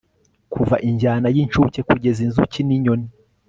kuva injyana yincuke kugeza inzuki ninyoni